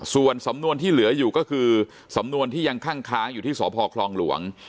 ส่วนสำนวนที่เหลืออยู่ก็คือสำนวนที่ยังคั่งค้างอยู่ที่สพคลองหลวง